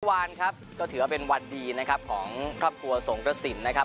กลับมาทุกวันครับก็ถือว่าเป็นวันดีของครอบครัวส่งตระสิ่มนะครับ